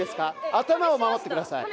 頭を守って下さい。